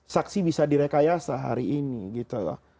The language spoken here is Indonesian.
saksi bisa direkayasa hari ini gitu loh